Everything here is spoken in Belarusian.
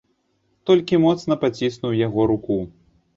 Толькі моцна паціснуў яго руку.